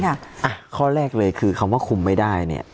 อ่ะข้อแรกเลยคือคำว่าคุมไม่ได้เนี่ย